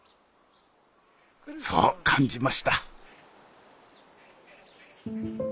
そう感じました。